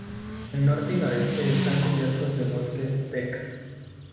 El norte y noreste están cubiertos de bosques tek.